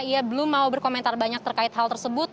ia belum mau berkomentar banyak terkait hal tersebut